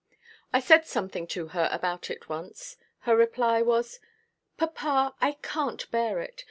I said something to her about it once. Her reply was: "Papa, I can't bear it.